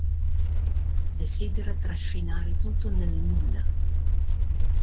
Desidera trascinare tutto nel Nulla.